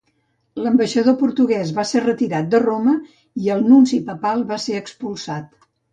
L’ambaixador portuguès va ser retirat de Roma i el nunci papal va ser expulsat.